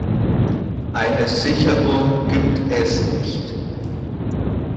Eine Sicherung gibt es nicht.